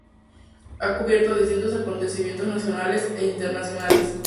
Ha cubierto distintos acontecimientos nacionales e internacionales.